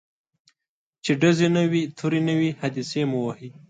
چي ډزي نه وي توری نه وي حادثې مو وهي